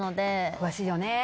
詳しいよね。